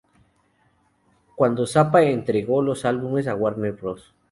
Cuando Zappa entregó los álbumes a Warner Bros.